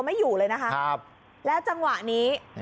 ไม่อยู่เลยนะคะแล้วจังหวะนี้